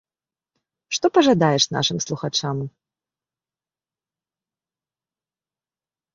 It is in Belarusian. Што пажадаеш нашым слухачам?